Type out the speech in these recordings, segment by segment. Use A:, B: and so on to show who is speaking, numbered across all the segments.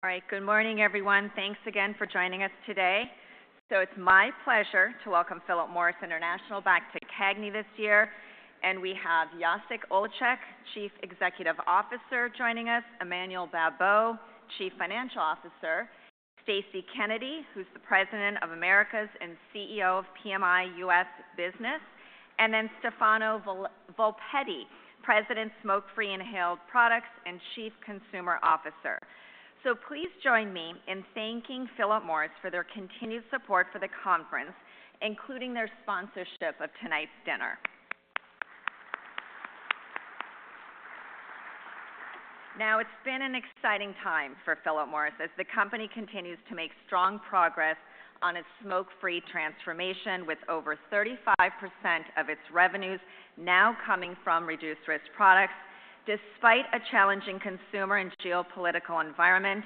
A: All right. Good morning, everyone. Thanks again for joining us today. So it's my pleasure to welcome Philip Morris International back to CAGNY this year, and we have Jacek Olczak, Chief Executive Officer, joining us, Emmanuel Babeau, Chief Financial Officer, Stacey Kennedy, who's the President of Americas and CEO of PMI U.S. Business, and then Stefano Volpetti, President, Smoke-Free Inhaled Products and Chief Consumer Officer. So please join me in thanking Philip Morris for their continued support for the conference, including their sponsorship of tonight's dinner. Now, it's been an exciting time for Philip Morris as the company continues to make strong progress on its smoke-free transformation, with over 35% of its revenues now coming from reduced risk products. Despite a challenging consumer and geopolitical environment,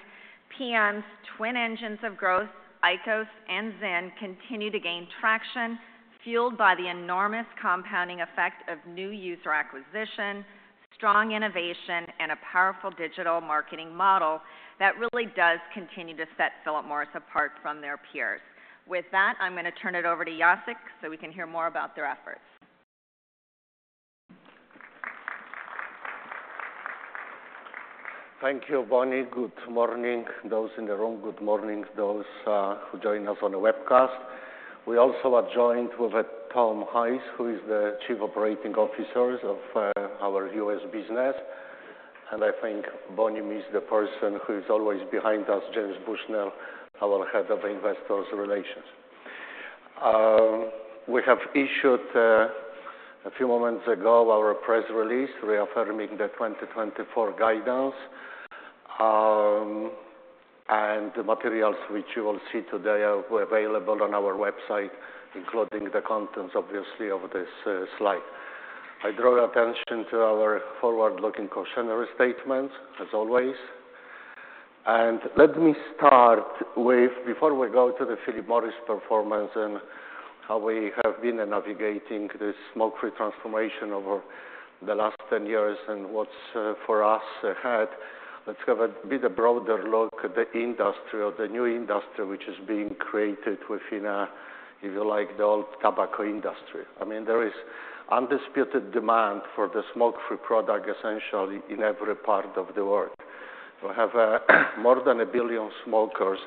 A: PM's twin engines of growth, IQOS and ZYN, continue to gain traction, fueled by the enormous compounding effect of new user acquisition, strong innovation, and a powerful digital marketing model that really does continue to set Philip Morris apart from their peers. With that, I'm gonna turn it over to Jacek, so we can hear more about their efforts.
B: Thank you, Bonnie. Good morning, those in the room. Good morning, those who join us on the webcast. We also are joined with Tom Koehler, who is the Chief Operating Officer of our U.S. business. And I think Bonnie missed the person who is always behind us, James Bushnell, our Head of Investor Relations. We have issued a few moments ago our press release, reaffirming the 2024 guidance. And the materials which you will see today are available on our website, including the contents, obviously, of this slide. I draw your attention to our forward-looking cautionary statement, as always. Let me start with, before we go to the Philip Morris performance and how we have been navigating the smoke-free transformation over the last 10 years and what's for us ahead, let's have a bit broader look at the industry or the new industry, which is being created within, if you like, the old tobacco industry. I mean, there is undisputed demand for the smoke-free product, essentially in every part of the world. We have more than 1 billion smokers,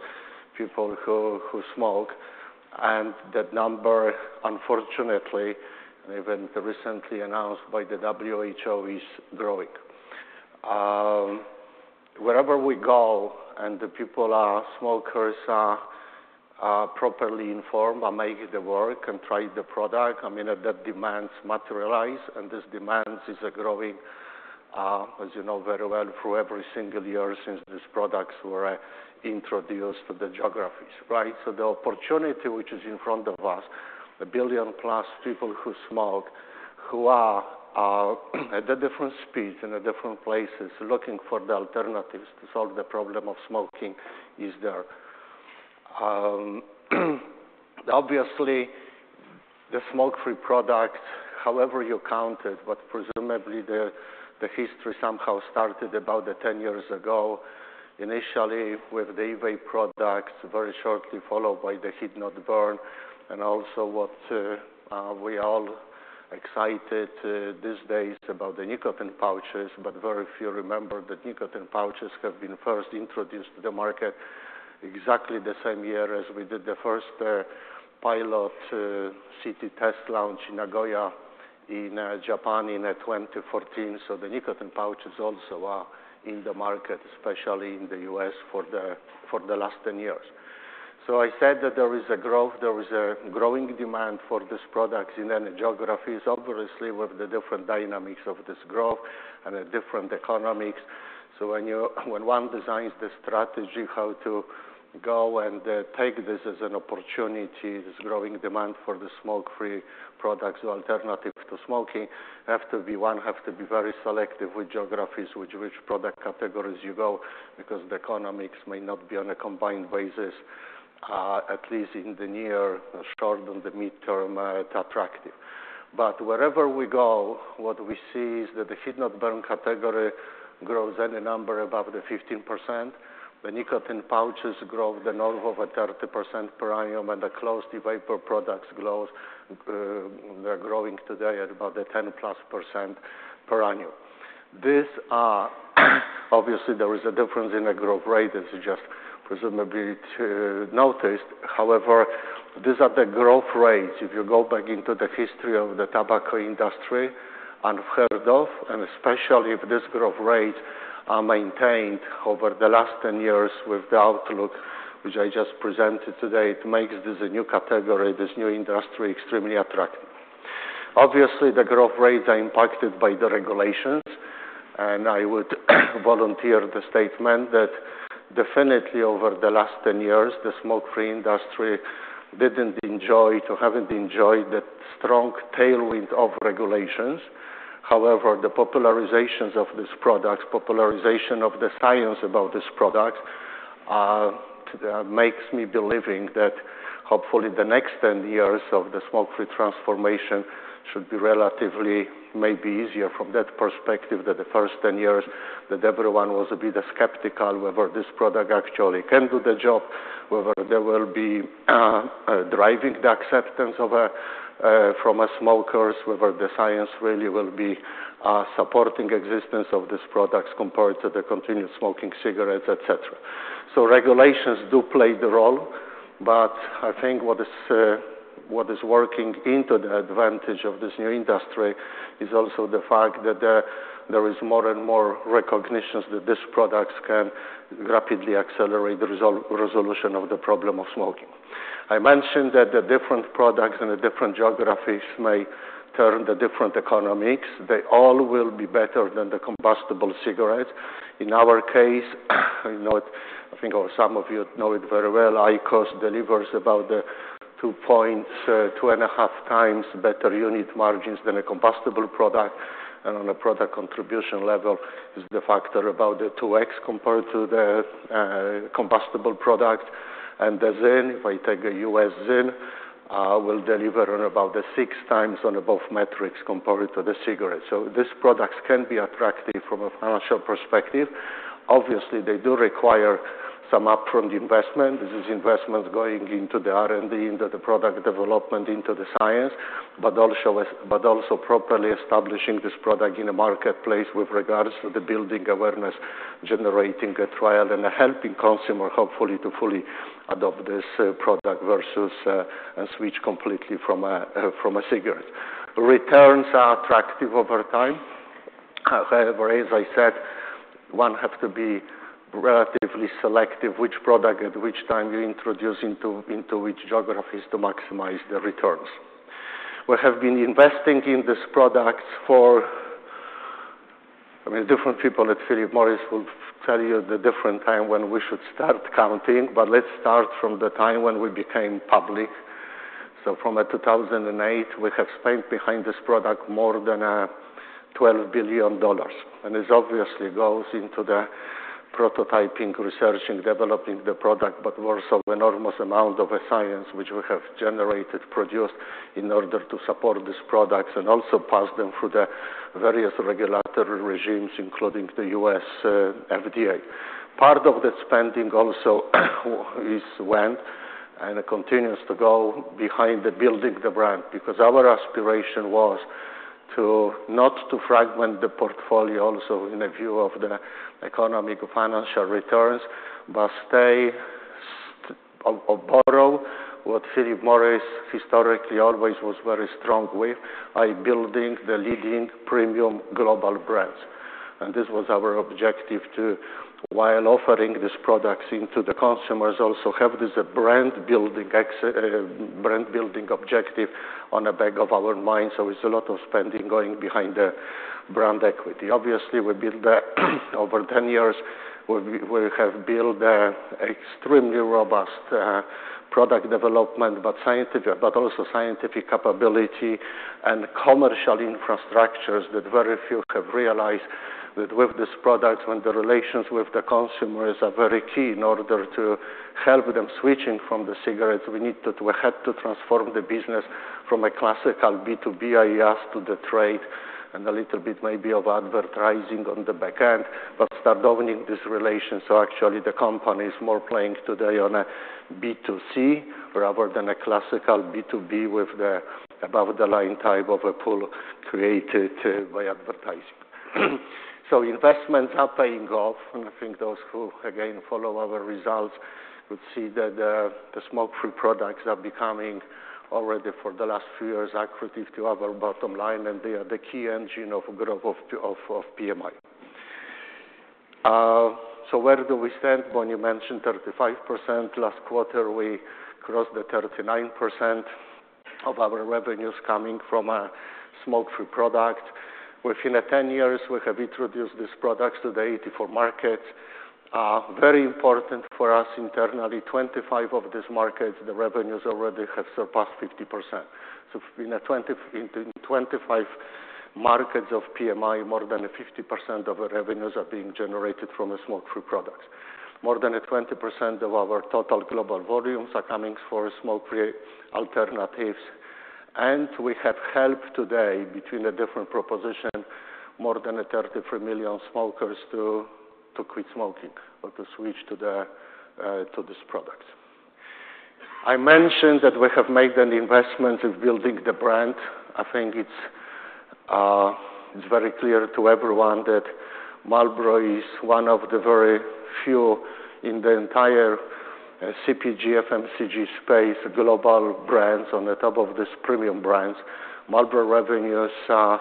B: people who smoke, and that number, unfortunately, even recently announced by the WHO, is growing. Wherever we go and the people who are smokers are properly informed, are making it work and try the product, I mean, that demand materializes, and this demand is growing, as you know very well, through every single year since these products were introduced to the geographies, right? So the opportunity which is in front of us, 1 billion-plus people who smoke, who are at the different speeds and the different places, looking for the alternatives to solve the problem of smoking is there. Obviously, the smoke-free product, however you count it, but presumably the history somehow started about 10 years ago, initially with the e-vapor product, very shortly followed by the heat-not-burn, and also what we all excited these days about the nicotine pouches. But very few remember that nicotine pouches have been first introduced to the market exactly the same year as we did the first pilot city test launch in Nagoya, in Japan in 2014. So the nicotine pouches also are in the market, especially in the US, for the last 10 years. So I said that there is a growing demand for these products in any geographies, obviously, with the different dynamics of this growth and the different economics. So when one designs the strategy, how to go and take this as an opportunity, this growing demand for the smoke-free products or alternatives to smoking, have to be one, have to be very selective with geographies, with which product categories you go, because the economics may not be on a combined basis, at least in the near, short, and the midterm, attractive. But wherever we go, what we see is that the heat-not-burn category grows any number above 15%. The nicotine pouches grow north of 30% per annum, and the closed e-vapor products growth, they're growing today at about +10% per annum. These are, obviously, there is a difference in the growth rate, as you just presumably to notice. However, these are the growth rates, if you go back into the history of the tobacco industry, unheard of, and especially if this growth rate are maintained over the last 10 years with the outlook, which I just presented today, it makes this a new category, this new industry, extremely attractive. Obviously, the growth rates are impacted by the regulations, and I would volunteer the statement that definitely over the last 10 years, the smoke-free industry didn't enjoy or haven't enjoyed the strong tailwind of regulations. However, the popularizations of this product, popularization of the science about this product, makes me believing that... Hopefully, the next 10 years of the smoke-free transformation should be relatively maybe easier from that perspective than the first 10 years, that everyone was a bit skeptical whether this product actually can do the job, whether they will be driving the acceptance of a from a smokers, whether the science really will be supporting existence of these products compared to the continued smoking cigarettes, et cetera. So regulations do play the role, but I think what is what is working into the advantage of this new industry is also the fact that there is more and more recognitions that these products can rapidly accelerate the resolution of the problem of smoking. I mentioned that the different products and the different geographies may turn the different economics. They all will be better than the combustible cigarette. In our case, I know it, I think some of you know it very well, IQOS delivers about 2.5x better unit margins than a combustible product, and on a product contribution level is the factor about the 2x compared to the, combustible product. And the ZYN, if I take a U.S. ZYN, will deliver on about 6x on above metrics compared to the cigarette. So these products can be attractive from a financial perspective. Obviously, they do require some upfront investment. This is investment going into the R&D, into the product development, into the science, but also properly establishing this product in the marketplace with regards to the building awareness, generating a trial, and helping consumer, hopefully, to fully adopt this, product versus, and switch completely from a, from a cigarette. Returns are attractive over time. However, as I said, one have to be relatively selective which product at which time you introduce into which geographies to maximize the returns. We have been investing in this product for different people at Philip Morris will tell you the different time when we should start counting, but let's start from the time when we became public. So from 2008, we have spent behind this product more than $12 billion. And this obviously goes into the prototyping, researching, developing the product, but also enormous amount of a science which we have generated, produced in order to support these products and also pass them through the various regulatory regimes, including the U.S. FDA. Part of the spending also is went and continues to go behind building the brand, because our aspiration was to not to fragment the portfolio also in a view of the economic financial returns, but stay or borrow what Philip Morris historically always was very strong with, by building the leading premium global brands. And this was our objective to, while offering these products into the consumers, also have this brand building brand building objective on the back of our minds. So it's a lot of spending going behind the brand equity. Obviously, we build that. Over 10 years, we have built an extremely robust product development, but also scientific capability and commercial infrastructures that very few have realized that with this product, when the relations with the consumers are very key in order to help them switching from the cigarettes, we need to have to transform the business from a classical B2B access to the trade, and a little bit maybe of advertising on the back end, but start opening this relation. So actually, the company is more playing today on a B2C rather than a classical B2B with the above the line type of a pull created by advertising. So investments are paying off, and I think those who, again, follow our results would see that, the smoke-free products are becoming already for the last few years, accretive to our bottom line, and they are the key engine of growth of PMI. So where do we stand when you mentioned 35%? Last quarter, we crossed the 39% of our revenues coming from a smoke-free product. Within 10 years, we have introduced these products to the 84 markets. Very important for us internally, 25 of these markets, the revenues already have surpassed 50%. So in 25 markets of PMI, more than 50% of the revenues are being generated from a smoke-free product. More than 20% of our total global volumes are coming from smoke-free alternatives, and we have helped today, between a different proposition, more than 33 million smokers to quit smoking or to switch to the to this product. I mentioned that we have made an investment in building the brand. I think it's, it's very clear to everyone that Marlboro is one of the very few in the entire CPG, FMCG space, global brands on the top of this premium brands. Marlboro revenues are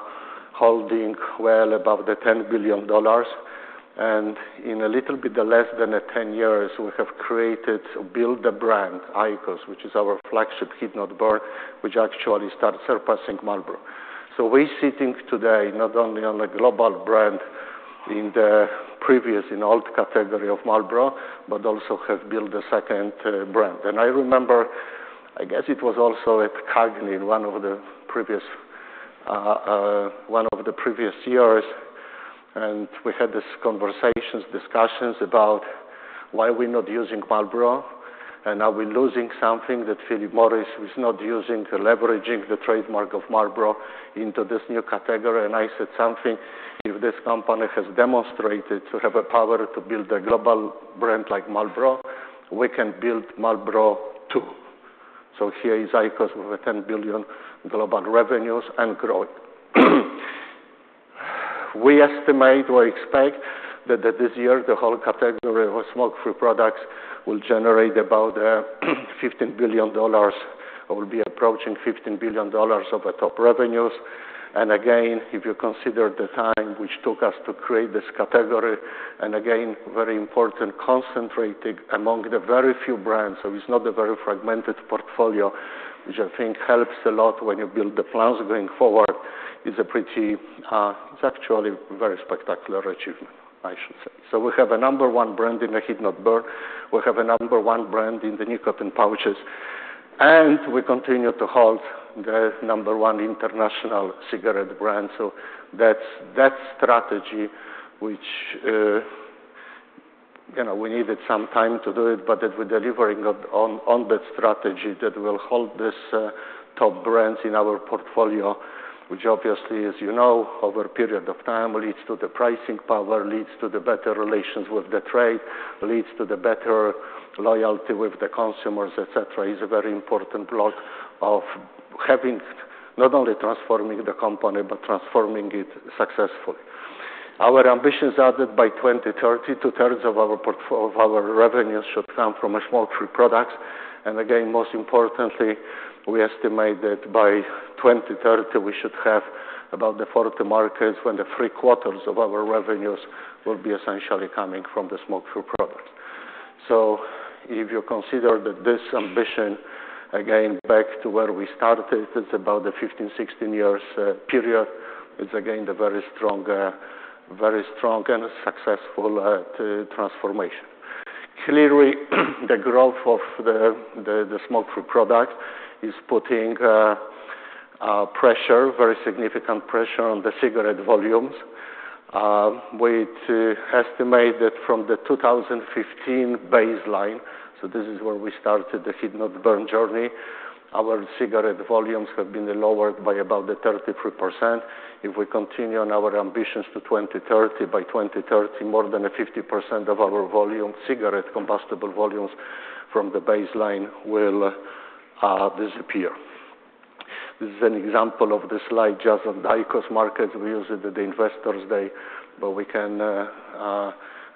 B: holding well above $10 billion, and in a little bit less than 10 years, we have created, built a brand, IQOS, which is our flagship heat-not-burn, which actually started surpassing Marlboro. So we're sitting today not only on a global brand in the previous, in old category of Marlboro, but also have built a second brand. And I remember, I guess it was also at CAGNY in one of the previous, one of the previous years and we had these conversations, discussions about why we're not using Marlboro, and are we losing something that Philip Morris is not using to leveraging the trademark of Marlboro into this new category? And I said something, "If this company has demonstrated to have a power to build a global brand like Marlboro, we can build Marlboro, too." So here is IQOS with $10 billion global revenues and growing. We estimate or expect that this year, the whole category of smoke-free products will generate about $15 billion, or will be approaching $15 billion of the top revenues. Again, if you consider the time which took us to create this category, and again, very important, concentrated among the very few brands, so it's not a very fragmented portfolio, which I think helps a lot when you build the plans going forward, is a pretty, it's actually very spectacular achievement, I should say. So we have a number one brand in the heat-not-burn. We have a number one brand in the nicotine pouches, and we continue to hold the number one international cigarette brand. So that's, that strategy, which, you know, we needed some time to do it, but that we're delivering on, on that strategy that will hold these, top brands in our portfolio, which obviously, as you know, over a period of time, leads to the pricing power, leads to the better relations with the trade, leads to the better loyalty with the consumers, et cetera, is a very important block of having not only transforming the company, but transforming it successfully. Our ambitions are that by 2030, two-thirds of our revenues should come from a smoke-free products. And again, most importantly, we estimate that by 2030, we should have about the 40 markets when the three-quarters of our revenues will be essentially coming from the smoke-free products. So if you consider that this ambition, again, back to where we started, it's about the 15-16 years period. It's again, the very strong, very strong and successful transformation. Clearly, the growth of the smoke-free product is putting pressure, very significant pressure on the cigarette volumes. We need to estimate that from the 2015 baseline, so this is where we started the heat-not-burn journey, our cigarette volumes have been lowered by about 33%. If we continue on our ambitions to 2030, by 2030, more than 50% of our volume, cigarette combustible volumes from the baseline will disappear. This is an example of the slide, just on the IQOS market. We used it at the Investors Day, but we can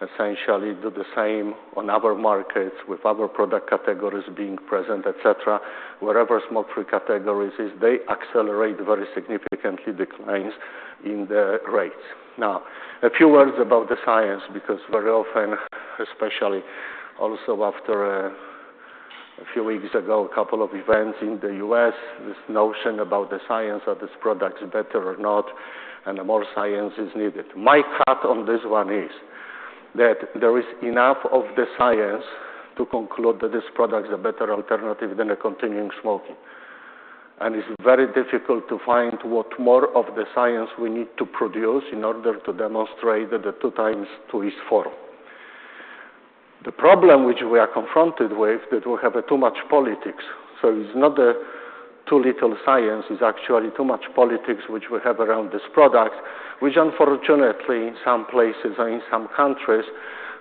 B: essentially do the same on other markets with other product categories being present, et cetera. Wherever smoke-free categories is, they accelerate very significantly declines in the rates. Now, a few words about the science, because very often, especially also after a few weeks ago, a couple of events in the U.S., this notion about the science of this product is better or not, and the more science is needed. My cut on this one is that there is enough of the science to conclude that this product is a better alternative than a continuing smoking. It's very difficult to find what more of the science we need to produce in order to demonstrate that 2x2 is 4. The problem which we are confronted with, that we have a too much politics. So it's not too little science. It's actually too much politics, which we have around this product, which unfortunately, in some places and in some countries,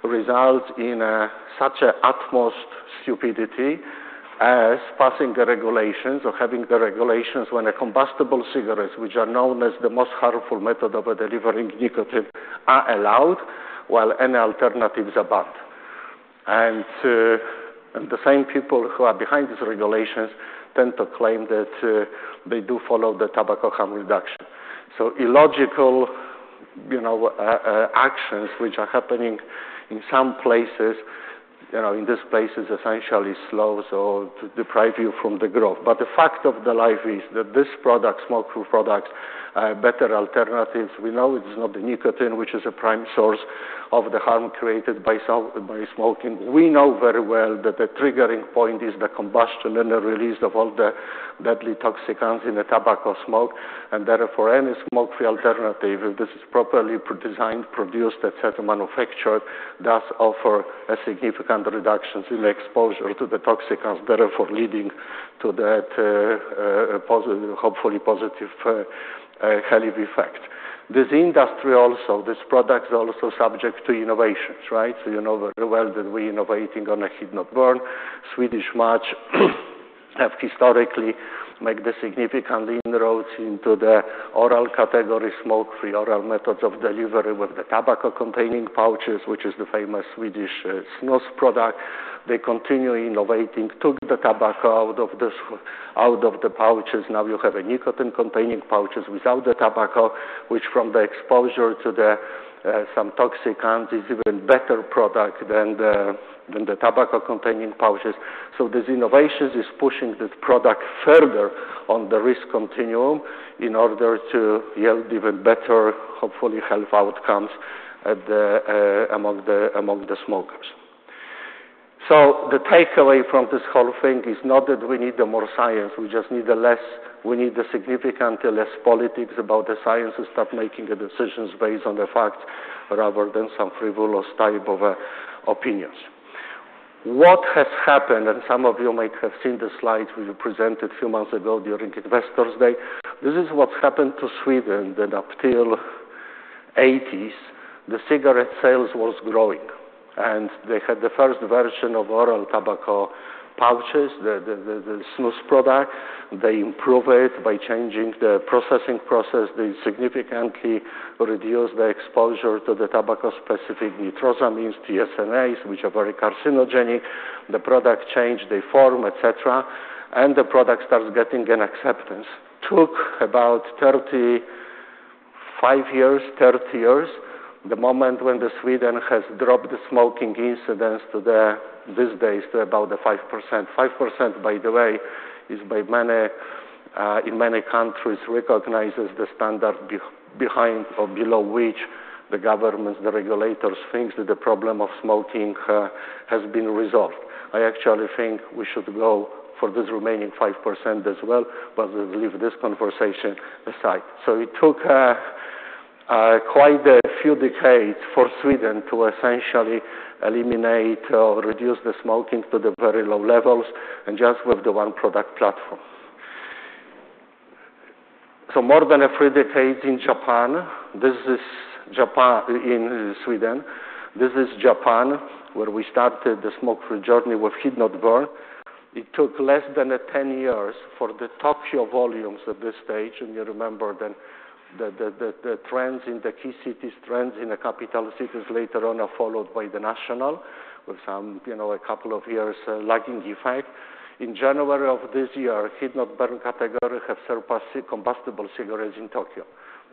B: results in such utmost stupidity as passing the regulations or having the regulations when combustible cigarettes, which are known as the most harmful method of delivering nicotine, are allowed, while any alternatives are banned. The same people who are behind these regulations tend to claim that they do follow the tobacco harm reduction. So illogical, you know, actions which are happening in some places, you know, in these places, essentially slows or deprive you from the growth. But the fact of life is that this product, smoke-free products, are better alternatives. We know it is not the nicotine, which is a prime source of the harm created by smoking. We know very well that the triggering point is the combustion and the release of all the deadly toxicants in the tobacco smoke, and therefore, any smoke-free alternative, if this is properly designed, produced, et cetera, manufactured, does offer a significant reductions in exposure to the toxicants, therefore leading to that, positive, hopefully positive, healthy effect. This industry also, this product, is also subject to innovations, right? So you know very well that we innovating on a heat-not-burn. Swedish Match have historically make the significant inroads into the oral category, smoke-free oral methods of delivery with the tobacco-containing pouches, which is the famous Swedish snus product. They continue innovating, took the tobacco out of the, out of the pouches. Now you have a nicotine-containing pouches without the tobacco, which from the exposure to the, some toxicants, is even better product than the tobacco-containing pouches. So this innovations is pushing this product further on the risk continuum in order to yield even better, hopefully, health outcomes among the smokers. So the takeaway from this whole thing is not that we need the more science, we just need the less. We need the significantly less politics about the science and start making the decisions based on the fact rather than some frivolous type of opinions. What has happened, and some of you might have seen the slides we presented a few months ago during Investors Day. This is what happened to Sweden, that up till '80s, the cigarette sales was growing, and they had the first version of oral tobacco pouches, the snus product. They improve it by changing the processing process. They significantly reduce the exposure to the tobacco-specific nitrosamines, TSNAs, which are very carcinogenic. The product changed, they form, et cetera, and the product starts getting an acceptance. Took about 35 years, 30 years, the moment when the Sweden has dropped the smoking incidence to these days to about the 5%. 5%, by the way, is by many in many countries, recognizes the standard behind or below which the government, the regulators, thinks that the problem of smoking has been resolved. I actually think we should go for this remaining 5% as well, but we'll leave this conversation aside. So it took quite a few decades for Sweden to essentially eliminate or reduce the smoking to the very low levels and just with the one product platform. So more than a three decade in Japan, this is Japan in Sweden. This is Japan, where we started the smoke-free journey with heat-not-burn. It took less than 10 years for the Tokyo volumes at this stage, and you remember then, the trends in the key cities, trends in the capital cities later on are followed by the national with some, you know, a couple of years lagging effect. In January of this year, heat-not-burn category have surpassed the combustible cigarettes in Tokyo.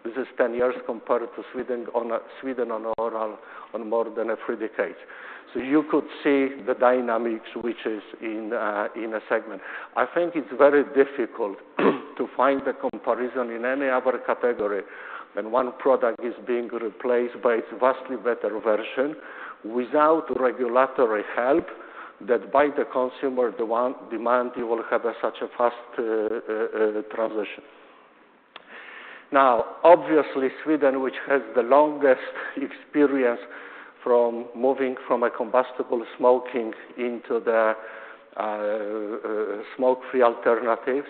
B: This is 10 years compared to Sweden on a Sweden on oral on more than a three decade. So you could see the dynamics, which is in a segment. I think it's very difficult to find a comparison in any other category, when one product is being replaced by its vastly better version, without regulatory help, that by the consumer demand, you will have such a fast transition. Now, obviously, Sweden, which has the longest experience from moving from a combustible smoking into the smoke-free alternatives,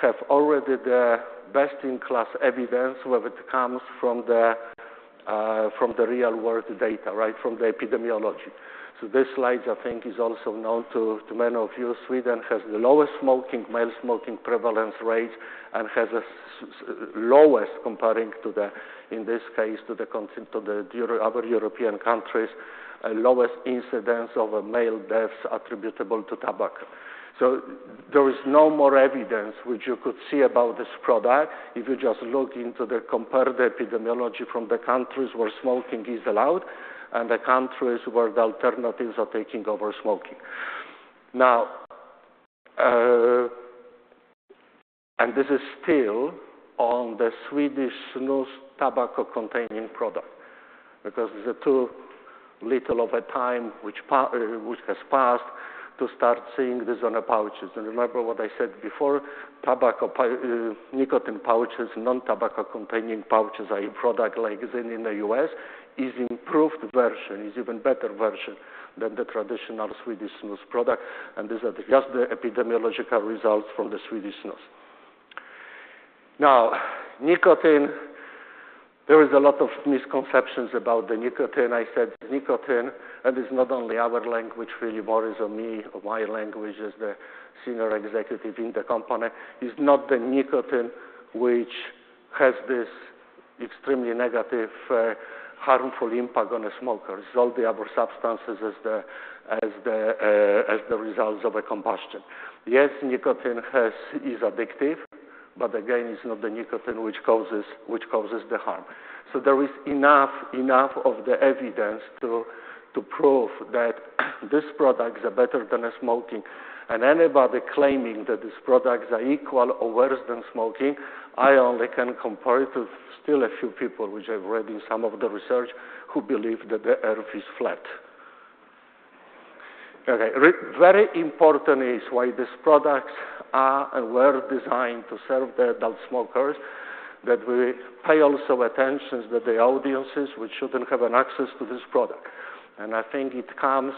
B: have already the best-in-class evidence, whether it comes from the real-world data, right? From the epidemiology. So this slide, I think, is also known to many of you. Sweden has the lowest smoking, male smoking prevalence rate and has the lowest comparing to the, in this case, to the context of the other European countries, lowest incidence of male deaths attributable to tobacco. So there is no more evidence which you could see about this product if you just look into the comparative epidemiology from the countries where smoking is allowed and the countries where the alternatives are taking over smoking. Now, and this is still on the Swedish snus tobacco-containing product, because there's a too little of a time which has passed to start seeing this on the pouches. And remember what I said before, nicotine pouches, non-tobacco-containing pouches or a product like ZYN in the U.S., is improved version, is even better version than the traditional Swedish snus product, and these are just the epidemiological results from the Swedish snus. Now, nicotine, there is a lot of misconceptions about the nicotine. I said nicotine, and it's not only our language, really, Boris, or me, or my language as the senior executive in the company, is not the nicotine which has this extremely negative, harmful impact on the smokers. It's all the other substances as the results of a combustion. Yes, nicotine has, is addictive, but again, it's not the nicotine which causes the harm. So there is enough of the evidence to prove that this products are better than smoking. And anybody claiming that these products are equal or worse than smoking, I only can compare it to still a few people, which I've read in some of the research, who believe that the Earth is flat. Okay. Very important is why these products are and were designed to serve the adult smokers, that we pay also attentions to the audiences, which shouldn't have an access to this product. I think it comes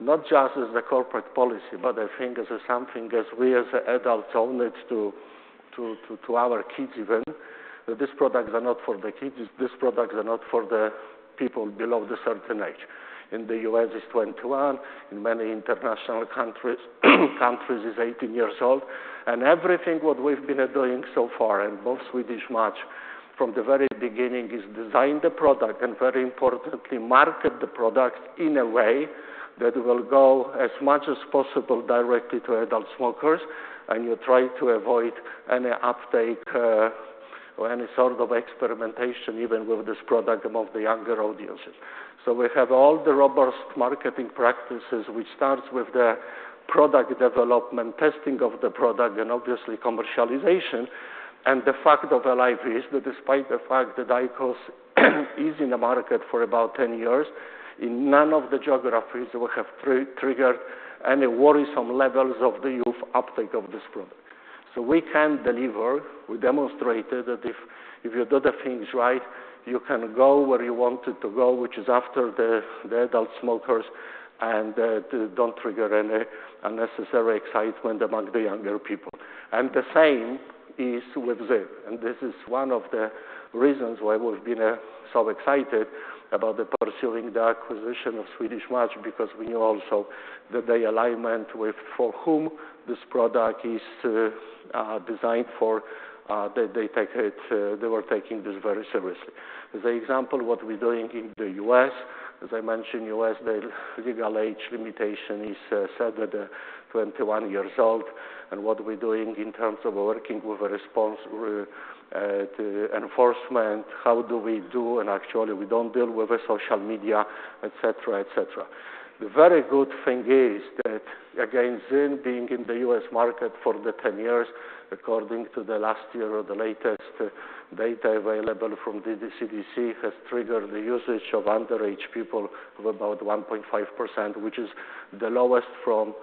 B: not just as the corporate policy, but I think as something as we as adults owe it to our kids even, that these products are not for the kids, these products are not for the people below the certain age. In the U.S., it's 21. In many international countries, it's 18 years old. And everything what we've been doing so far, and both Swedish Match from the very beginning, is design the product and very importantly, market the product in a way that will go as much as possible directly to adult smokers, and you try to avoid any uptake, or any sort of experimentation, even with this product among the younger audiences. So we have all the robust marketing practices, which starts with the product development, testing of the product, and obviously commercialization. And the fact of life is that despite the fact that IQOS is in the market for about 10 years, in none of the geographies we have triggered any worrisome levels of the youth uptake of this product. So we can deliver, we demonstrated that if you do the things right, you can go where you wanted to go, which is after the adult smokers, and to don't trigger any unnecessary excitement among the younger people. And the same is with ZYN, and this is one of the reasons why we've been so excited about pursuing the acquisition of Swedish Match, because we knew also that the alignment with for whom this product is designed for, that they take it, they were taking this very seriously. As an example, what we're doing in the U.S., as I mentioned, U.S., the legal age limitation is set at 21 years old, and what we're doing in terms of working with a response to enforcement, how do we do, and actually we don't deal with the social media, et cetera, et cetera. The very good thing is that, again, ZYN being in the U.S. market for 10 years, according to the last year or the latest data available from the CDC, has triggered the usage of underage people of about 1.5%, which is the lowest from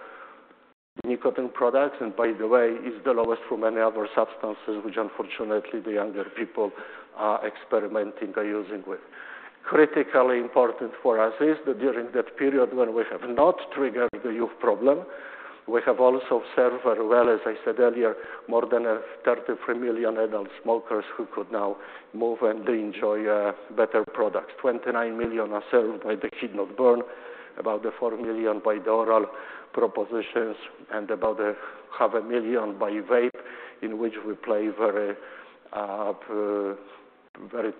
B: nicotine products, and by the way, is the lowest from many other substances, which unfortunately, the younger people are experimenting or using with. Critically important for us is that during that period when we have not triggered the youth problem, we have also served very well, as I said earlier, more than 33 million adult smokers who could now move and enjoy a better product. 29 million are served by the heat-not-burn, about 4 million by the oral propositions, and about 0.5 million by vape, in which we play very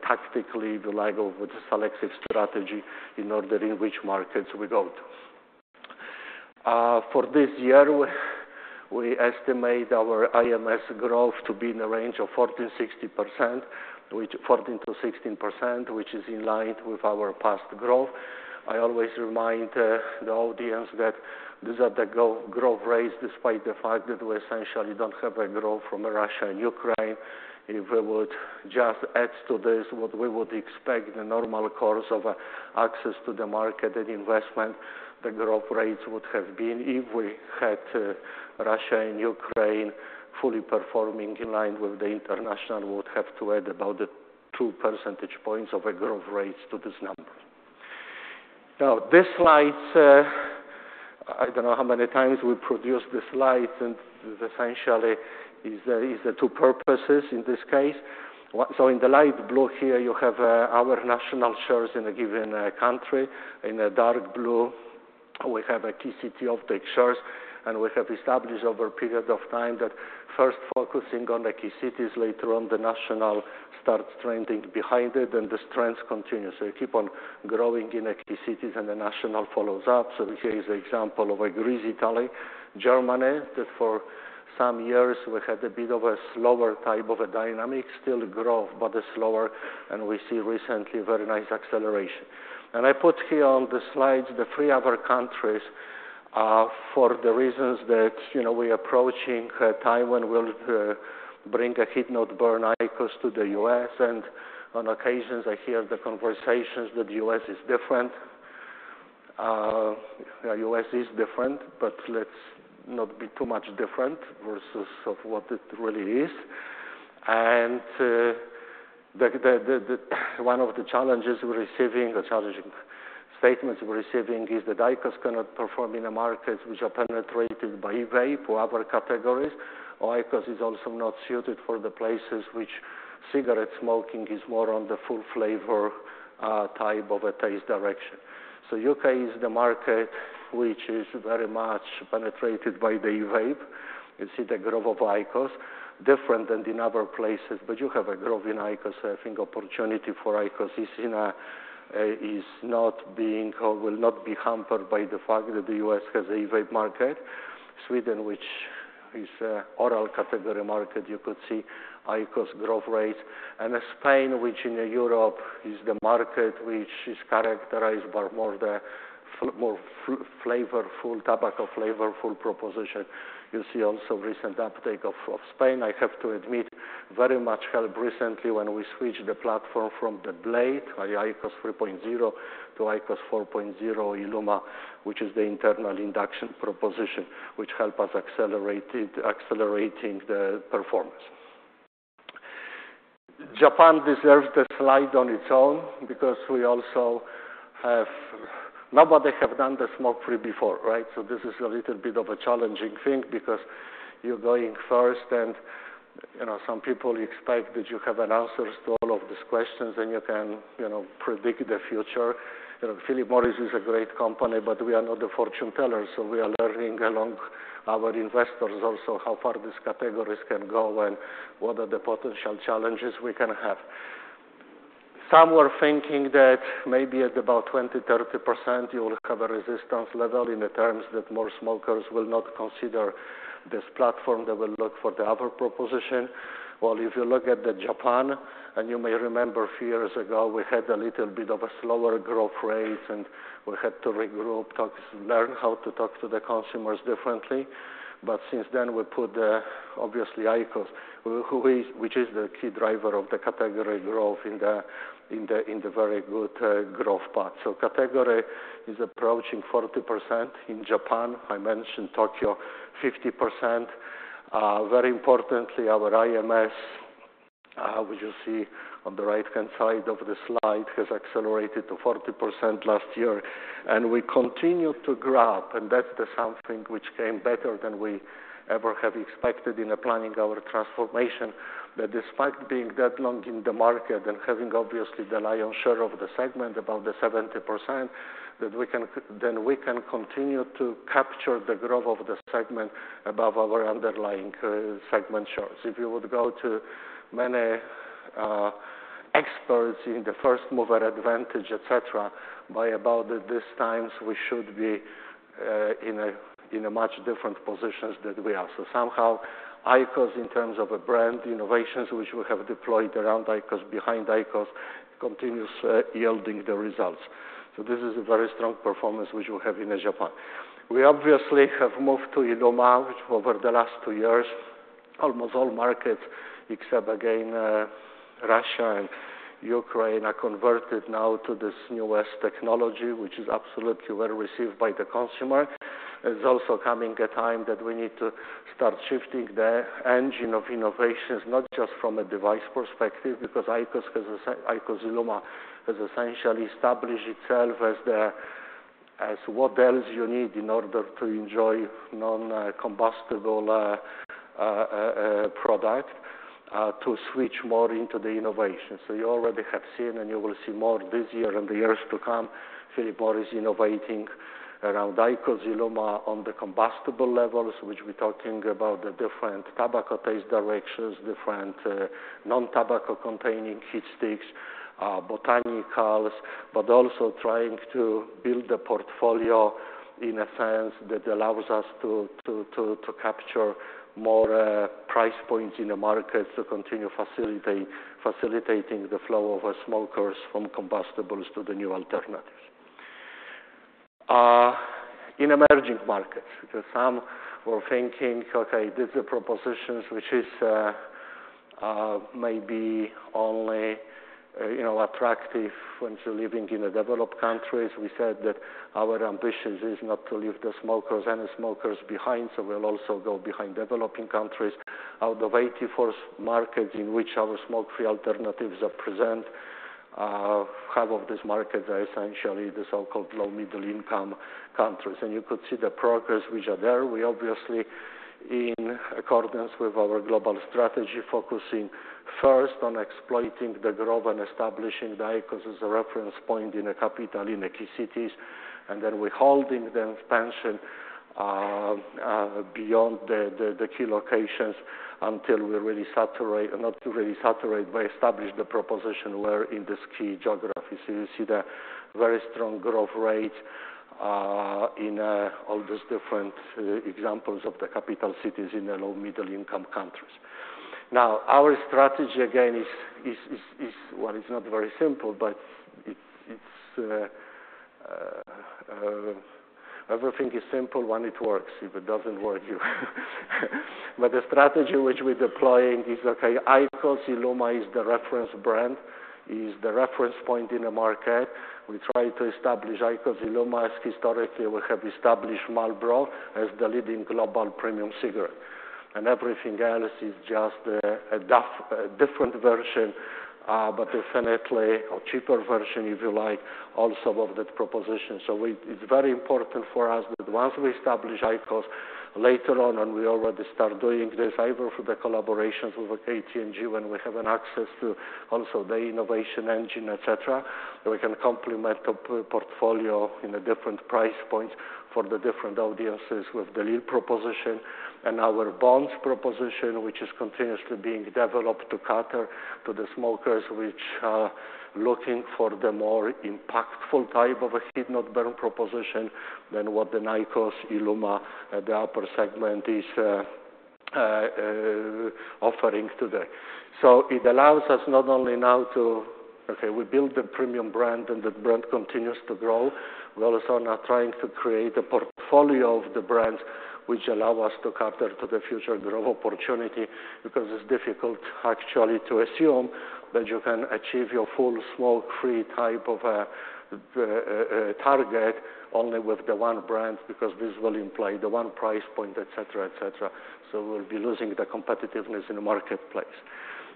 B: tactically, the like of with the selective strategy in order in which markets we go to. For this year, we estimate our IMS growth to be in the range of 14%-16%, which is in line with our past growth. I always remind the audience that these are the growth rates, despite the fact that we essentially don't have a growth from Russia and Ukraine. If we would just add to this what we would expect the normal course of access to the market and investment, the growth rates would have been if we had Russia and Ukraine fully performing in line with the international, would have to add about the 2% of a growth rates to this number. Now, this slide, I don't know how many times we produced this slide, and essentially is the two purposes in this case. One, so in the light blue here, you have our national shares in a given country. In a dark blue, we have a key city uptake shares, and we have established over a period of time that first focusing on the key cities, later on the national starts trending behind it, and this trend continues. So we keep on growing in the key cities, and the national follows up. So here is an example of Greece, Italy, Germany, that for some years we had a bit of a slower type of a dynamic, still growth, but a slower, and we see recently very nice acceleration. And I put here on the slides the three other countries for the reasons that, you know, we approaching a time when we'll bring a heat-not-burn IQOS to the U.S., and on occasions, I hear the conversations that the U.S. is different. The U.S. is different, but let's not be too much different versus of what it really is. One of the challenges we're receiving, or challenging statements we're receiving, is that IQOS cannot perform in a market which are penetrated by vape or other categories, or IQOS is also not suited for the places which cigarette smoking is more on the full flavor type of a taste direction. The U.K. is the market which is very much penetrated by the vape. You see the growth of IQOS, different than in other places, but you have a growth in IQOS. I think opportunity for IQOS is not being or will not be hampered by the fact that the U.S. has a vape market. Sweden, which is a oral category market, you could see IQOS growth rate. And Spain, which in Europe is the market which is characterized by more the full-flavored tobacco flavorful proposition. You see also recent uptake of Spain. I have to admit, very much help recently when we switched the platform from the blade, IQOS 3.0 to IQOS 4.0 Iluma, which is the internal induction proposition, which help us accelerated, accelerating the performance. Japan deserves the slide on its own because we also have... Nobody have done the smoke-free before, right? So this is a little bit of a challenging thing because you're going first, and, you know, some people expect that you have an answers to all of these questions, and you can, you know, predict the future. You know, Philip Morris is a great company, but we are not a fortune teller, so we are learning along our investors also how far these categories can go and what are the potential challenges we can have. Some were thinking that maybe at about 20%-30%, you will have a resistance level in the terms that more smokers will not consider this platform that will look for the other proposition. Well, if you look at Japan, and you may remember a few years ago, we had a little bit of a slower growth rate, and we had to regroup, talk, learn how to talk to the consumers differently. But since then, we put the, obviously, IQOS, which is the key driver of the category growth in the very good growth path. So category is approaching 40% in Japan. I mentioned Tokyo, 50%. Very importantly, our IMS, which you see on the right-hand side of the slide, has accelerated to 40% last year, and we continue to grow. That's the something which came better than we ever have expected in applying our transformation. That despite being that long in the market and having obviously the lion's share of the segment, about the 70%, that we can, then we can continue to capture the growth of the segment above our underlying, segment shares. If you would go to many, experts in the first mover advantage, et cetera, by about these times, we should be, in a, in a much different positions than we are. So somehow, IQOS, in terms of a brand, innovations which we have deployed around IQOS, behind IQOS, continues, yielding the results. This is a very strong performance which we have in Japan. We obviously have moved to Iluma, which over the last two years, almost all markets, except again, Russia and Ukraine, are converted now to this newest technology, which is absolutely well received by the consumer. It's also coming a time that we need to start shifting the engine of innovations, not just from a device perspective, because IQOS, as I said, IQOS Iluma has essentially established itself as the—as what else you need in order to enjoy non-combustible product, to switch more into the innovation. So you already have seen, and you will see more this year and the years to come, Philip Morris innovating around IQOS Iluma on the combustible levels, which we're talking about the different tobacco taste directions, different, non-tobacco containing heat sticks, botanicals, but also trying to build a portfolio in a sense that allows us to capture more, price points in the market, to continue facilitating the flow of our smokers from combustibles to the new alternatives. In emerging markets, because some were thinking, okay, these are propositions which is, maybe only, you know, attractive when you're living in a developed countries. We said that our ambitions is not to leave the smokers, any smokers behind, so we'll also go behind developing countries. Out of 84 markets in which our smoke-free alternatives are present, half of these markets are essentially the so-called low-middle income countries. You could see the progress which are there. We obviously, in accordance with our global strategy, focusing first on exploiting the growth and establishing the IQOS as a reference point in a capital, in the key cities, and then we're holding the expansion beyond the key locations until we really saturate, not to really saturate, but establish the proposition where in this key geographies. So you see the very strong growth rate in all these different examples of the capital cities in the low-middle income countries. Now, our strategy, again, is well, it's not very simple, but it's... Everything is simple when it works. If it doesn't work, but the strategy which we're deploying is, okay, IQOS Iluma is the reference brand, is the reference point in the market. We try to establish IQOS Iluma as historically we have established Marlboro as the leading global premium cigarette. And everything else is just, a different version, but definitely a cheaper version, if you like, also of that proposition. So it's very important for us that once we establish IQOS, later on, and we already start doing this, either through the collaborations with KT&G, when we have access to also the innovation engine, et cetera, we can complement the portfolio in the different price points for the different audiences with the little proposition. Our Bonds proposition, which is continuously being developed to cater to the smokers, which are looking for the more impactful type of a heat-not-burn proposition than what the IQOS Iluma, the upper segment is offering today. So it allows us not only to build the premium brand, and the brand continues to grow. We also are now trying to create a portfolio of the brands which allow us to cater to the future growth opportunity, because it's difficult actually to assume that you can achieve your full smoke-free type of target only with the one brand, because this will imply the one price point, et cetera, et cetera. So we'll be losing the competitiveness in the marketplace.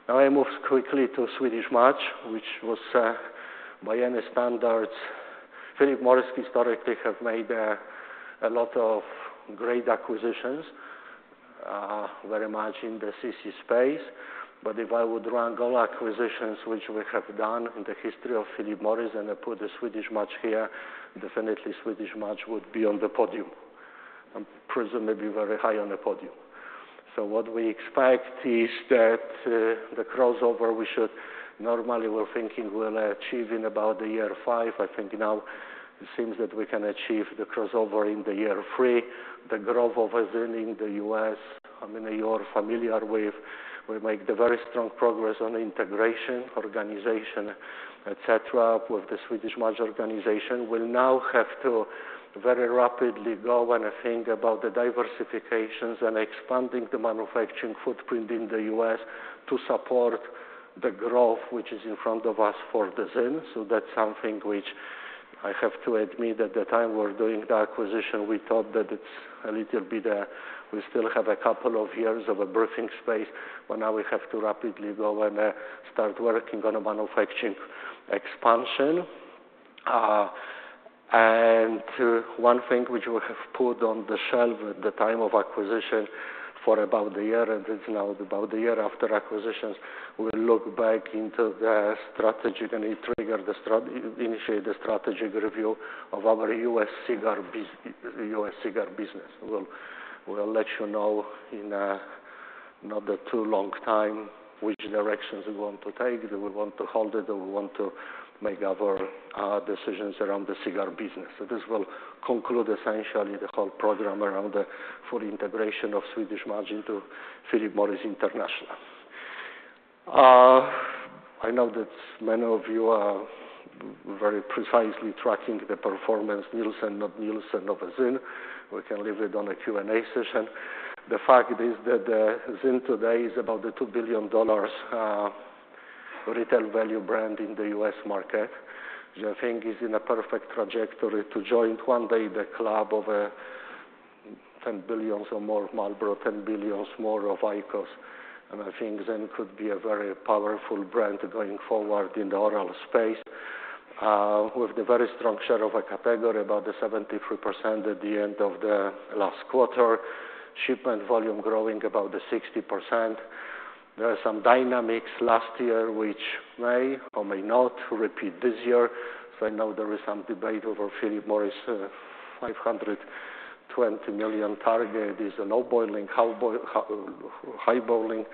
B: Now, I move quickly to Swedish Match, which was, by any standards, Philip Morris historically have made a lot of great acquisitions, very much in the CC space. But if I would rank all acquisitions which we have done in the history of Philip Morris, and I put the Swedish Match here, definitely Swedish Match would be on the podium, and presumably be very high on the podium. So what we expect is that, the crossover we should normally we're thinking we'll achieve in about the year five. I think now it seems that we can achieve the crossover in the year three. The growth of ZYN in the U.S., I mean, you're familiar with, we make the very strong progress on integration, organization, et cetera, with the Swedish Match organization. We'll now have to very rapidly go and think about the diversifications and expanding the manufacturing footprint in the U.S. to support the growth which is in front of us for the ZYN. So that's something which I have to admit, at the time we're doing the acquisition, we thought that it's a little bit, we still have a couple of years of a breathing space, but now we have to rapidly go and start working on a manufacturing expansion. And one thing which we have put on the shelf at the time of acquisition for about a year, and it's now about a year after acquisition, we'll look back into the strategy, and it trigger initiate the strategic review of our U.S. cigar business. We'll let you know in a not too long time, which directions we want to take, do we want to hold it, or we want to make other decisions around the cigar business. So this will conclude essentially the whole program around the full integration of Swedish Match into Philip Morris International. I know that many of you are very precisely tracking the performance, Nielsen, not Nielsen, of ZYN. We can leave it on the Q&A session. The fact is that ZYN today is about $2 billion retail value brand in the U.S. market, which I think is in a perfect trajectory to join one day the club of $10 billion or more of Marlboro, $10 billion more of IQOS, and I think ZYN could be a very powerful brand going forward in the oral space. With the very strong share of a category, about the 73% at the end of the last quarter, shipment volume growing about the 60%. There are some dynamics last year, which may or may not repeat this year. So I know there is some debate over Philip Morris's $520 million target. Is it lowballing, highballing?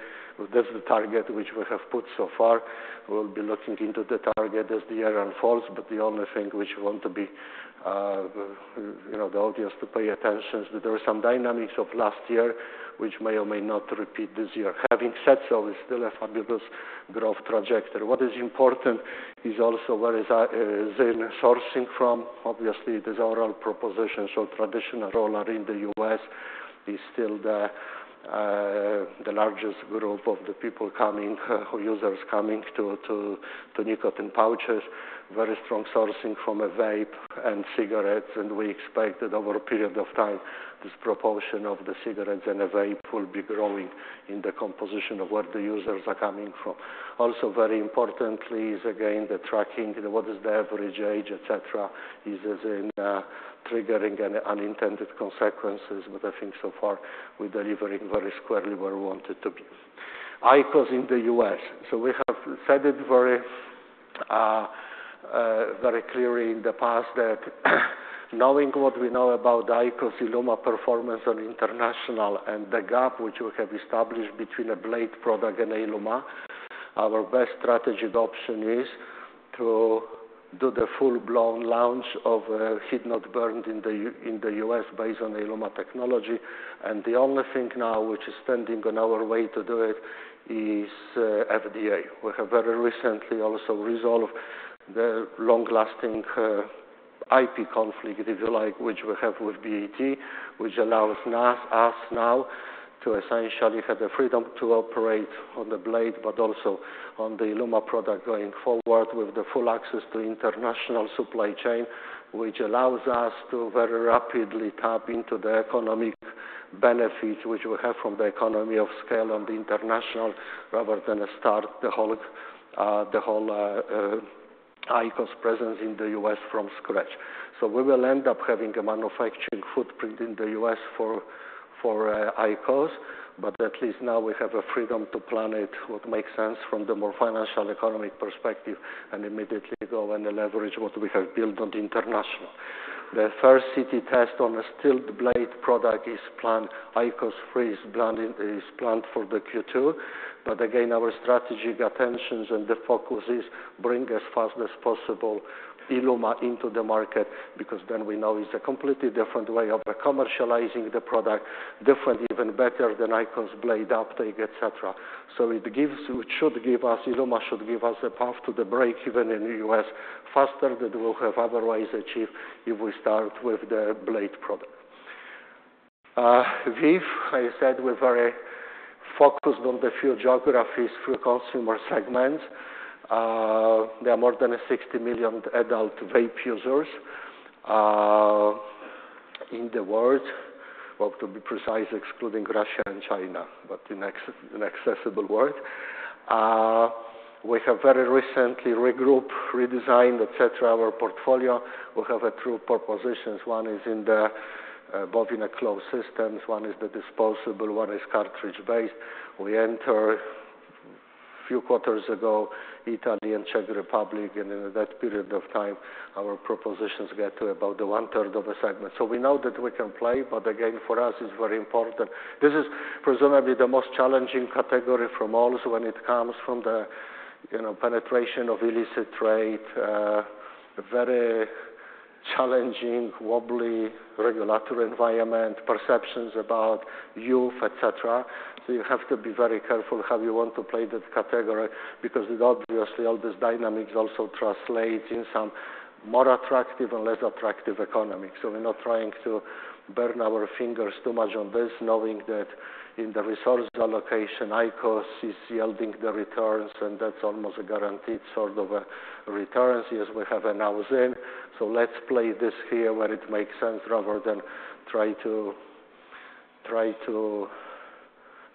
B: That's the target which we have put so far. We'll be looking into the target as the year unfolds, but the only thing which we want to be, you know, the audience to pay attention, is that there are some dynamics of last year, which may or may not repeat this year. Having said so, it's still a fabulous growth trajectory. What is important is also where is ZYN sourcing from. Obviously, it is oral proposition, so traditional roller in the U.S. is still the largest group of the people coming, users coming to nicotine pouches, very strong sourcing from a vape and cigarettes. And we expect that over a period of time, this proportion of the cigarettes and the vape will be growing in the composition of where the users are coming from. Also, very importantly is, again, the tracking, what is the average age, et cetera, is as in triggering any unintended consequences, but I think so far we're delivering very squarely where we wanted to be. IQOS in the U.S. So we have said it very, very clearly in the past that knowing what we know about the IQOS Iluma performance on international and the gap which we have established between a blade product and Iluma, our best strategic option is to do the full-blown launch of a heat-not-burn in the U.S. based on Iluma technology. And the only thing now which is standing on our way to do it is FDA. We have very recently also resolved the long-lasting IP conflict, if you like, which we have with BAT, which allows us now to essentially have the freedom to operate on the blade, but also on the Iluma product going forward with the full access to international supply chain, which allows us to very rapidly tap into the economic benefits which we have from the economy of scale on the international rather than start the whole IQOS presence in the U.S. from scratch. So we will end up having a manufacturing footprint in the U.S. for IQOS, but at least now we have a freedom to plan it what makes sense from the more financial economic perspective and immediately go and leverage what we have built on the international. The first city test on a still blade product is planned. IQOS 3 is planned, is planned for the Q2. But again, our strategic attentions and the focus is bring as fast as possible Iluma into the market, because then we know it's a completely different way of commercializing the product, different, even better than IQOS blade uptake, et cetera. So it gives, it should give us, Iluma should give us a path to the break, even in the U.S., faster than we'll have otherwise achieved if we start with the blade product. VEEV, I said, we're very focused on the few geographies, few consumer segments. There are more than 60 million adult vape users in the world. Well, to be precise, excluding Russia and China, but in the accessible world. We have very recently regrouped, redesigned, et cetera, our portfolio. We have two propositions. One is in the both in a closed systems, one is the disposable, one is cartridge-based. We entered a few quarters ago, Italy and Czech Republic, and in that period of time, our propositions get to about the one third of a segment. So we know that we can play, but again, for us, it's very important. This is presumably the most challenging category from all when it comes from the, you know, penetration of illicit trade, very challenging, wobbly regulatory environment, perceptions about youth, et cetera. So you have to be very careful how you want to play that category, because obviously, all these dynamics also translate in some more attractive and less attractive economy. So we're not trying to burn our fingers too much on this, knowing that in the resource allocation, IQOS is yielding the returns, and that's almost a guaranteed sort of returns as we have announced in. So let's play this here where it makes sense rather than try to, try to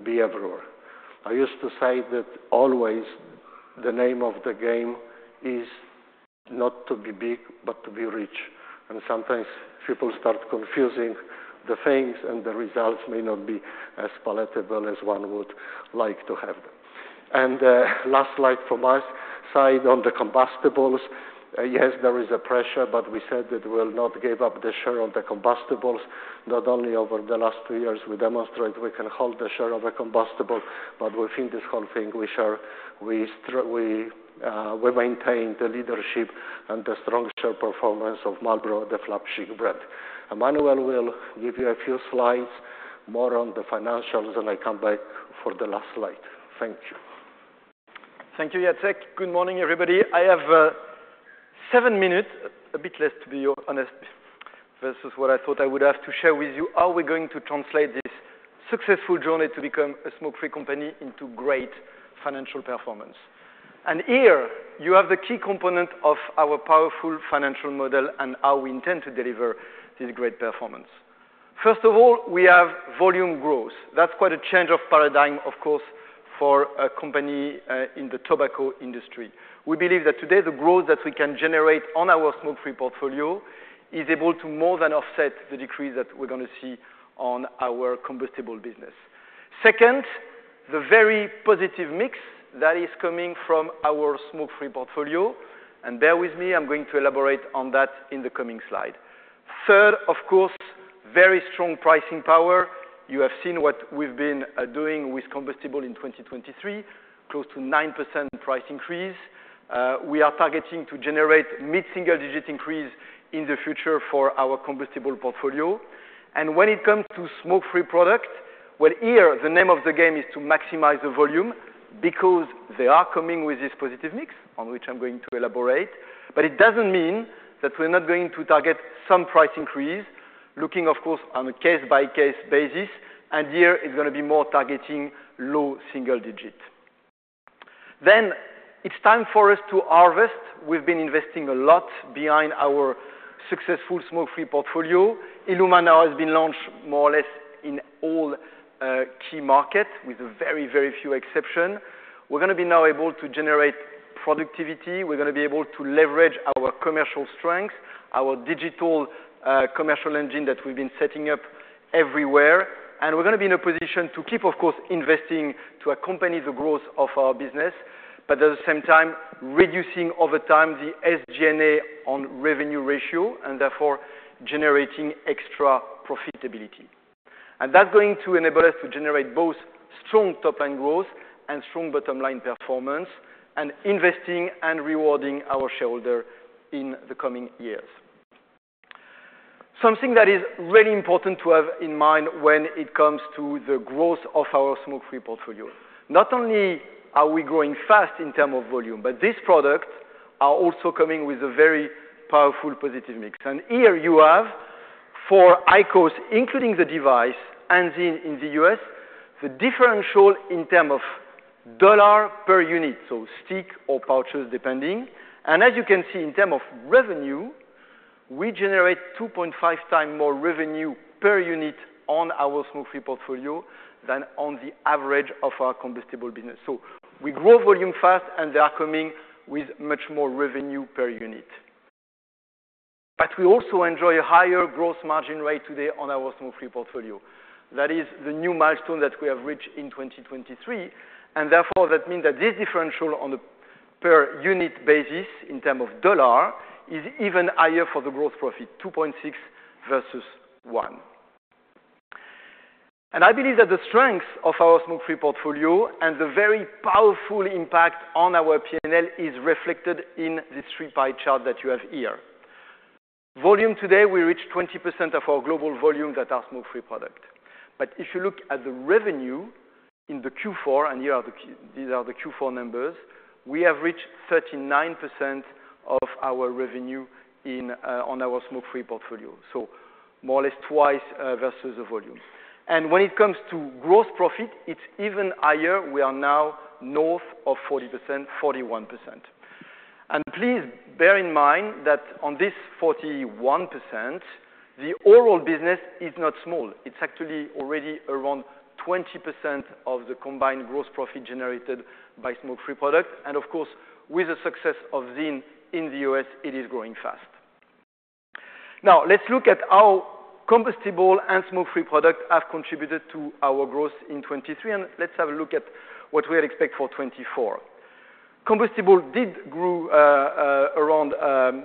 B: be everywhere. I used to say that always the name of the game is not to be big, but to be rich. And sometimes people start confusing the things, and the results may not be as palatable as one would like to have them. And last slide from us. Slide on the combustibles, yes, there is a pressure, but we said that we'll not give up the share on the combustibles. Not only over the last two years, we demonstrate we can hold the share of a combustible, but within this whole thing, we share, we maintain the leadership and the strong share performance of Marlboro, the flagship brand. Emmanuel will give you a few slides, more on the financials, and I come back for the last slide. Thank you.
C: Thank you, Jacek. Good morning, everybody. I have seven minutes, a bit less, to be honest, to share with you. How we're going to translate this successful journey to become a smoke-free company into great financial performance? Here you have the key component of our powerful financial model and how we intend to deliver this great performance. First of all, we have volume growth. That's quite a change of paradigm, of course, for a company in the tobacco industry. We believe that today, the growth that we can generate on our smoke-free portfolio is able to more than offset the decrease that we're gonna see on our combustible business. Second, the very positive mix that is coming from our smoke-free portfolio, and bear with me, I'm going to elaborate on that in the coming slide. Third, of course, very strong pricing power. You have seen what we've been doing with combustible in 2023, close to 9% price increase. We are targeting to generate mid-single-digit increase in the future for our combustible portfolio. And when it comes to smoke-free product, well, here, the name of the game is to maximize the volume because they are coming with this positive mix, on which I'm going to elaborate. But it doesn't mean that we're not going to target some price increase, looking, of course, on a case-by-case basis, and here it's gonna be more targeting low single-digit. Then, it's time for us to harvest. We've been investing a lot behind our successful smoke-free portfolio. Iluma now has been launched more or less in all key markets, with very, very few exception. We're going to be now able to generate productivity. We're going to be able to leverage our commercial strength, our digital commercial engine that we've been setting up everywhere, and we're going to be in a position to keep, of course, investing to accompany the growth of our business, but at the same time, reducing over time the SG&A on revenue ratio, and therefore generating extra profitability. And that's going to enable us to generate both strong top line growth and strong bottom line performance, and investing and rewarding our shareholder in the coming years. Something that is really important to have in mind when it comes to the growth of our smoke-free portfolio. Not only are we growing fast in terms of volume, but these products are also coming with a very powerful positive mix. Here you have, for IQOS, including the device, and in, in the U.S., the differential in terms of $ per unit, so stick or pouches, depending. And as you can see, in terms of revenue, we generate 2.5x more revenue per unit on our smoke-free portfolio than on the average of our combustible business. So we grow volume fast, and they are coming with much more revenue per unit. But we also enjoy a higher gross margin rate today on our smoke-free portfolio. That is the new milestone that we have reached in 2023, and therefore, that means that this differential on a per unit basis, in terms of $, is even higher for the gross profit, 2.6 versus 1. I believe that the strength of our smoke-free portfolio and the very powerful impact on our P&L is reflected in this three pie chart that you have here. Volume today, we reached 20% of our global volume that are smoke-free product. If you look at the revenue in the Q4, and here are the key- these are the Q4 numbers, we have reached 39% of our revenue in, on our smoke-free portfolio, so more or less twice, versus the volume. When it comes to gross profit, it's even higher. We are now north of 40%, 41%. Please bear in mind that on this 41%, the oral business is not small. It's actually already around 20% of the combined gross profit generated by smoke-free product, and of course, with the success of VEEV in the US, it is growing fast. Now, let's look at how combustible and smoke-free products have contributed to our growth in 2023, and let's have a look at what we expect for 2024. Combustible did grow around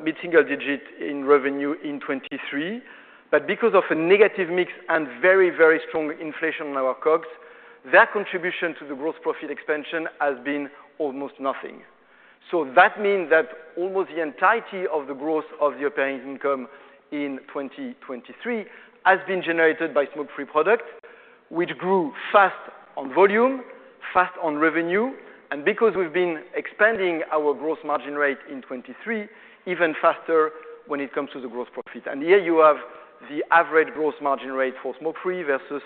C: mid-single digit in revenue in 2023, but because of a negative mix and very, very strong inflation on our COGS, that contribution to the gross profit expansion has been almost nothing. So that means that almost the entirety of the growth of the operating income in 2023 has been generated by smoke-free products, which grew fast on volume, fast on revenue, and because we've been expanding our gross margin rate in 2023, even faster when it comes to the gross profit. Here you have the average growth margin rate for smoke-free versus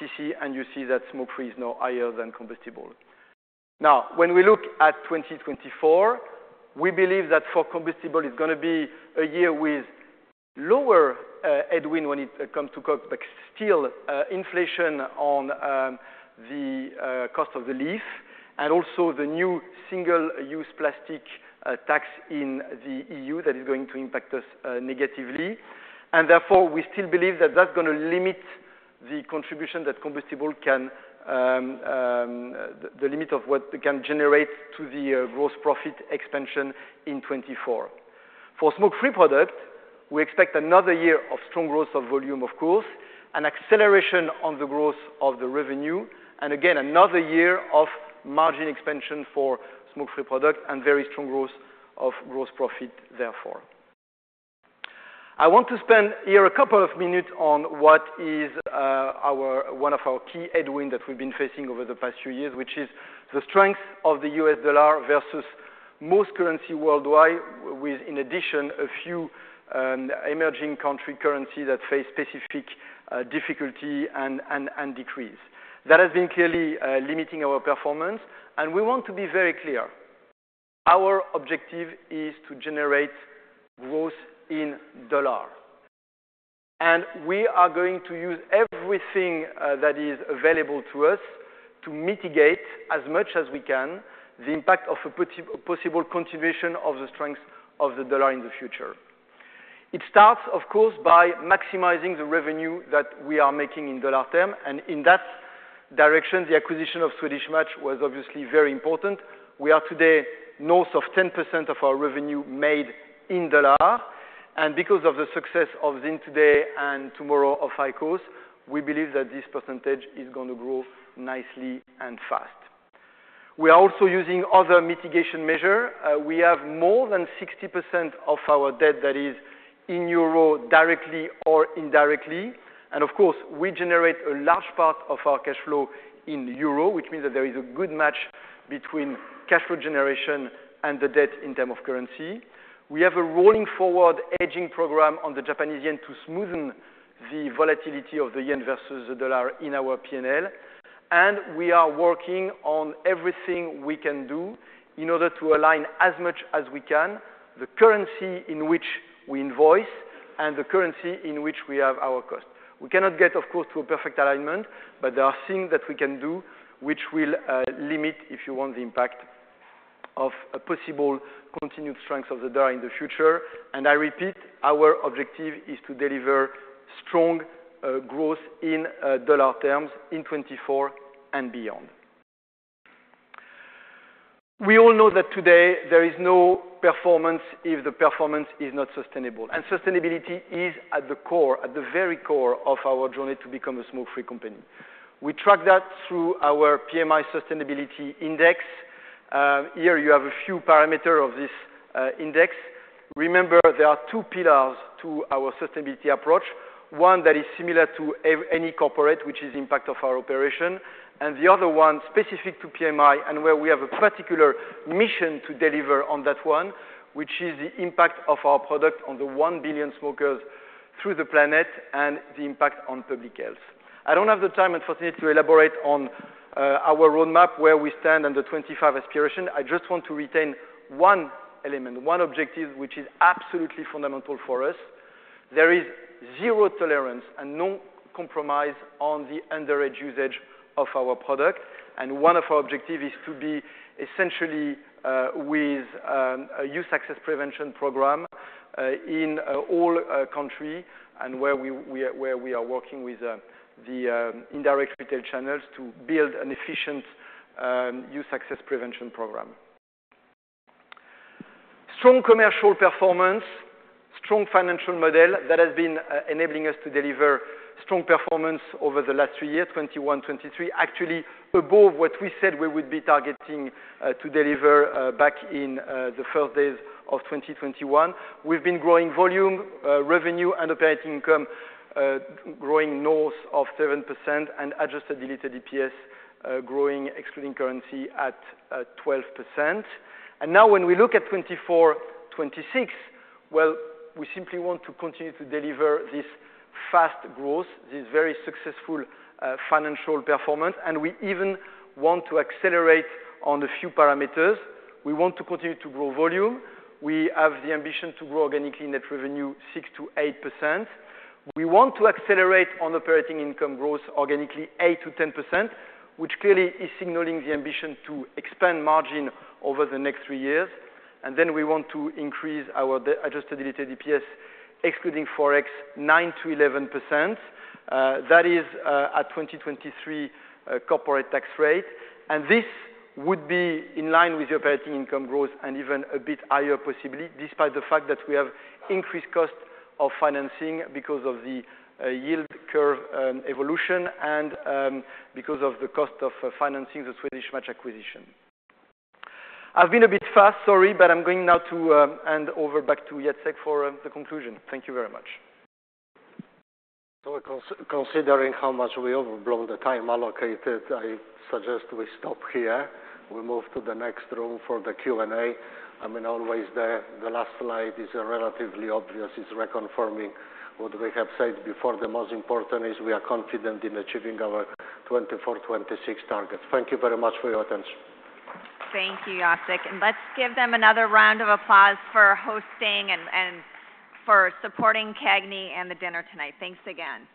C: CC, and you see that smoke-free is now higher than combustible. Now, when we look at 2024, we believe that for combustible, it's going to be a year with lower headwind when it comes to COGS, but still, inflation on the cost of the leaf and also the new single-use plastic tax in the EU, that is going to impact us negatively. And therefore, we still believe that that's gonna limit the contribution that combustible can. The limit of what it can generate to the gross profit expansion in 2024. For smoke-free product, we expect another year of strong growth of volume, of course, an acceleration on the growth of the revenue, and again, another year of margin expansion for smoke-free product and very strong growth of gross profit, therefore. I want to spend here a couple of minutes on what is one of our key headwind that we've been facing over the past few years, which is the strength of the U.S. dollar versus most currency worldwide, with, in addition, a few emerging country currency that face specific difficulty and decrease. That has been clearly limiting our performance, and we want to be very clear. Our objective is to generate growth in dollar. We are going to use everything that is available to us to mitigate as much as we can, the impact of a possible contribution of the strength of the US dollar in the future. It starts, of course, by maximizing the revenue that we are making in dollar terms, and in that direction, the acquisition of Swedish Match was obviously very important. We are today north of 10% of our revenue made in dollars, and because of the success of ZYN today and tomorrow of IQOS, we believe that this percentage is going to grow nicely and fast. We are also using other mitigation measure. We have more than 60% of our debt that is in euros, directly or indirectly. Of course, we generate a large part of our cash flow in euro, which means that there is a good match between cash flow generation and the debt in terms of currency. We have a rolling forward hedging program on the Japanese yen to smoothen the volatility of the yen versus the dollar in our P&L. We are working on everything we can do in order to align as much as we can, the currency in which we invoice and the currency in which we have our cost. We cannot get, of course, to a perfect alignment, but there are things that we can do which will limit, if you want, the impact of a possible continued strength of the dollar in the future. I repeat, our objective is to deliver strong growth in dollar terms in 2024 and beyond. We all know that today there is no performance if the performance is not sustainable, and sustainability is at the core, at the very core of our journey to become a smoke-free company. We track that through our PMI Sustainability Index. Here you have a few parameters of this index. Remember, there are two pillars to our sustainability approach. One that is similar to every corporate, which is impact of our operation, and the other one specific to PMI and where we have a particular mission to deliver on that one, which is the impact of our product on the 1 billion smokers throughout the planet and the impact on public health. I don't have the time, unfortunately, to elaborate on our roadmap, where we stand on the 2025 aspiration. I just want to retain one element, one objective, which is absolutely fundamental for us. There is zero tolerance and no compromise on the underage usage of our product, and one of our objective is to be essentially with a youth access prevention program in all country and where we are working with the indirect retail channels to build an efficient youth access prevention program. Strong commercial performance, strong financial model that has been enabling us to deliver strong performance over the last three years, 2021, 2023, actually above what we said we would be targeting to deliver back in the first days of 2021. We've been growing volume, revenue and operating income, growing north of 7% and adjusted diluted EPS, growing, excluding currency, at 12%. Now, when we look at 2024, 2026, well, we simply want to continue to deliver this fast growth, this very successful, financial performance, and we even want to accelerate on a few parameters. We want to continue to grow volume. We have the ambition to grow organically net revenue 6%-8%. We want to accelerate on operating income growth organically, 8%-10%, which clearly is signaling the ambition to expand margin over the next three years. And then we want to increase our adjusted diluted EPS, excluding Forex, 9%-11%. That is, at 2023, corporate tax rate. This would be in line with the operating income growth and even a bit higher possibly, despite the fact that we have increased cost of financing because of the yield curve evolution and because of the cost of financing the Swedish Match acquisition. I've been a bit fast, sorry, but I'm going now to hand over back to Jacek for the conclusion. Thank you very much.
B: Considering how much we overrun the time allocated, I suggest we stop here. We move to the next room for the Q&A. I mean, always the last slide is relatively obvious. It's reconfirming what we have said before. The most important is we are confident in achieving our 2024, 2026 targets. Thank you very much for your attention.
A: Thank you, Jacek. Let's give them another round of applause for hosting and for supporting CAGNY and the dinner tonight. Thanks again.